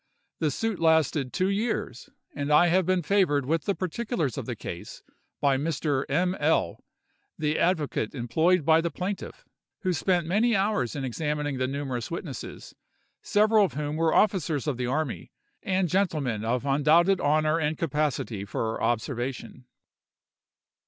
The suit lasted two years, and I have been favored with the particulars of the case by Mr. M—— L——, the advocate employed by the plaintiff, who spent many hours in examining the numerous witnesses, several of whom were officers of the army, and gentlemen of undoubted honor and capacity for observation.